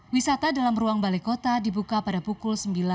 wisata dalam ruang balai kota dibuka pada pukul sembilan